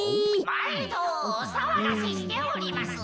・「まいどおさわがせしております。